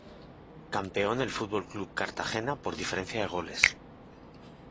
Campeón el Fútbol Club Cartagena por diferencia de goles.